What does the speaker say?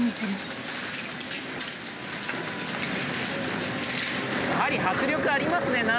やはり迫力ありますね。